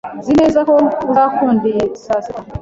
Nzi neza ko uzakunda iyi sasita.